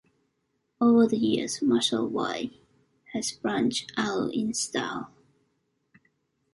Over the years, Musselwhite has branched out in style.